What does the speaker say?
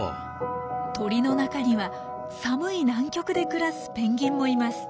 鳥の中には寒い南極で暮らすペンギンもいます。